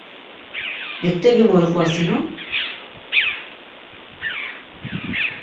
Mektebi mu iqvasinon?